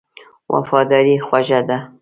وفاداري خوږه ده.